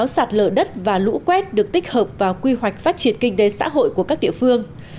sáu sạt lở đất và lũ quét được tích hợp vào quy hoạch phát triển kinh tế xã hội của các địa phương